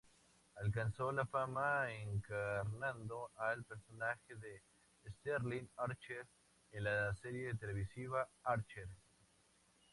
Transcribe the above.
Alcanzó la fama encarnando al personaje de Sterling Archer en la serie televisiva "Archer".